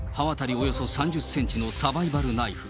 およそ３０センチのサバイバルナイフ。